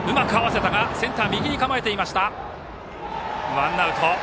ワンアウト。